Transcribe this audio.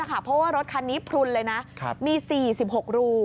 เพราะว่ารถคันนี้พลุนเลยนะมี๔๖รู